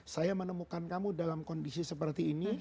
saya menemukan kamu dalam kondisi seperti ini